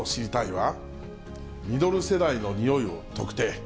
は、ミドル世代のにおいを特定。